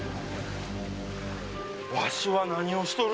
わしは何をしとるのじゃ？